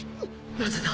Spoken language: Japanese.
なぜだ！